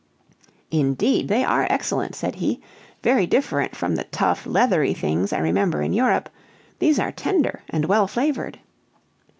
"Indeed, they are excellent," said he; "very different from the tough, leathery things I remember in Europe; these are tender and well flavored."